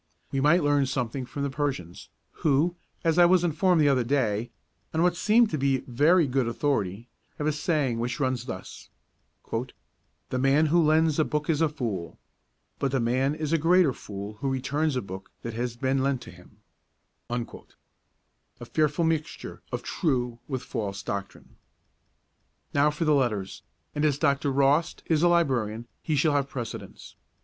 We might learn something from the Persians, who, as I was informed the other day, on what seemed to be very good authority, have a saying which runs thus: 'The man who lends a book is a fool, but that man is a greater fool who returns a book that has been lent to him' a fearful mixture of true with false doctrine. Now for the letters, and as Dr. Rost is a librarian he shall have precedence.